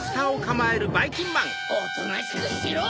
おとなしくしろ！